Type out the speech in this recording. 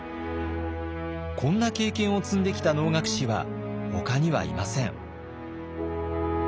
こんな経験を積んできた能楽師はほかにはいません。